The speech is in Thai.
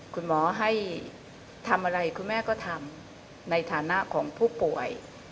คุณหมอให้ทำอะไรคุณแม่ก็ทำในฐานะของผู้ป่วย